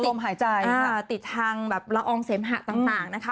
ลมหายใจค่ะติดทางแบบละอองเสมหะต่างนะคะ